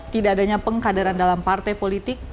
tidak adanya pengkaderan dalam partai politik